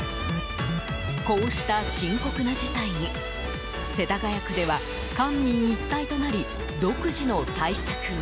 こうした深刻な事態に世田谷区では官民一体となり独自の対策を。